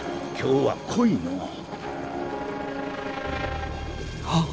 今日は濃いのお。